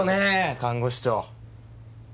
看護師長